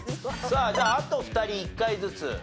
さあじゃああと２人１回ずつ。